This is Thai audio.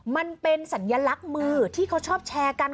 มันเป็นสัญลักษณ์มือที่เขาชอบแชร์กัน